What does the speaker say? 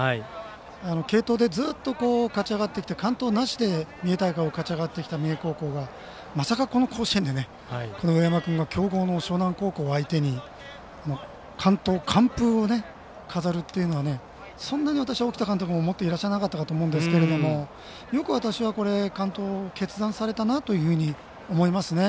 継投でずっと勝ち上がってきて完投なしで三重大会を勝ち上がってきた三重高校がまさかこの甲子園で上山君が強豪の樟南高校を相手に完投・完封を飾るというのはそんなに沖田監督も思ってなかったかと思うんですがよく私は完投を決断されたなと思いますね。